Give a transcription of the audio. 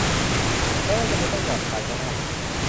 และไม่จำเป็นต้องหยาบคายก็ได้